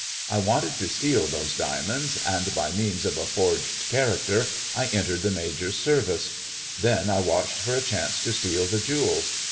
I wanted to steal those diamonds, and by means of a forged character I entered the Major's service. Then I watched for a chance to steal the jewels.